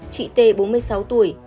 chị t bốn mươi sáu tuổi